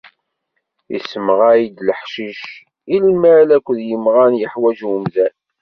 Issemɣay-d leḥcic i lmal akked yimɣan yeḥwaǧ umdan.